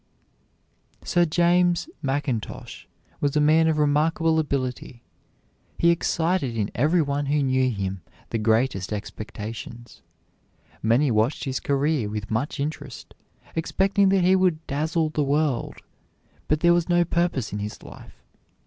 Sir James Mackintosh was a man of remarkable ability. He excited in every one who knew him the greatest expectations. Many watched his career with much interest, expecting that he would dazzle the world; but there was no purpose in his life.